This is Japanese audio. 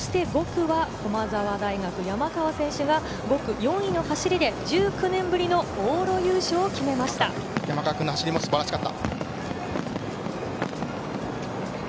５区は駒澤大学・山川選手が４位の走りで１９年ぶりの往路優勝を山川君の走りも素晴らしかった。